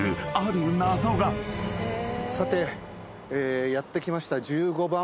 さてやって来ました。